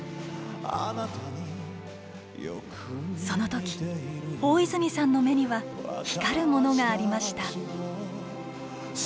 その時大泉さんの目には光るものがありました。